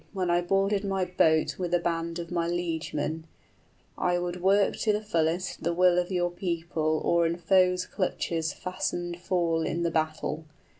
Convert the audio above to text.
} When I boarded my boat with a band of my liegemen, I would work to the fullest the will of your people Or in foe's clutches fastened fall in the battle.